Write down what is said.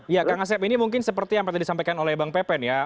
ya kang asep ini mungkin seperti yang tadi disampaikan oleh bang pepen ya